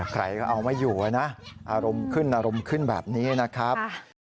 ใครก็เอาไม่อยู่นะอารมณ์ขึ้นอารมณ์ขึ้นแบบนี้นะครับ